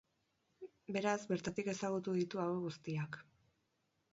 Beraz, bertatik ezagutu ditu hauek guztiak.